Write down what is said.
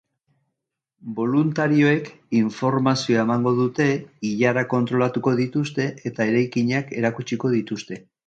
Boluntarioek informazioa emango dute, ilarak kontrolatuko dituzte eta eraikinak erakutsiko dituzte.